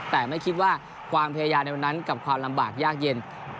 แต่ไม่คิดว่าความพยายามในวันนั้นกับความลำบากยากเย็น